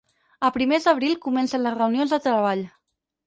A primers d'abril comencen les reunions de treball.